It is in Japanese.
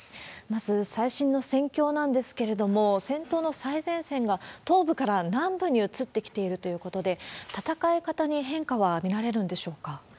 まず、最新の戦況なんですけれども、戦闘の最前線が東部から南部に移ってきているということで、戦い方に変化は見られるんでしょうか？